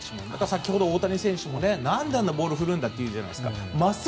先ほどの大谷選手も何であんなボールを振るんだっていうじゃないですか。